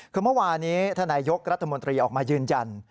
คือเมื่อวานี้ทนายยกรัฐมนตรีออกมายืนยัน